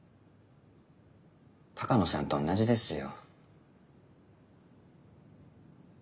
鷹野さんと同じですよ。